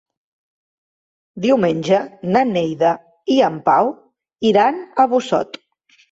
Diumenge na Neida i en Pau iran a Busot.